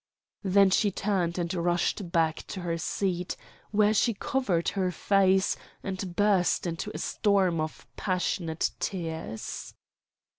Then she turned and rushed back to her seat, where she covered her face and burst into a storm of passionate tears.